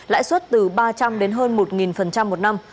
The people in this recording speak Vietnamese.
lãi suất từ ba trăm linh đến hơn một một năm